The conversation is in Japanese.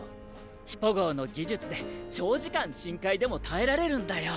ヒポ号の技術で長時間深海でも耐えられるんだよ。